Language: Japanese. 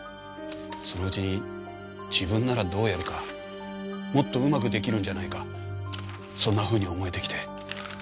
そのうちに自分ならどうやるかもっとうまく出来るんじゃないかそんな風に思えてきて。